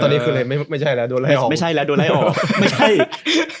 ตอนนี้ไม่ใช่แล้วโดรไล่ออก